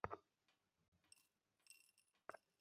রোমকরা ঐ সময়ে য়াহুদীদের উপর রাজত্ব করত, গ্রীকরা সকল বিদ্যা শেখাত।